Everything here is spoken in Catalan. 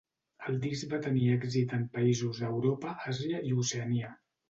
El disc va tenir èxit en països d'Europa, Àsia i Oceania.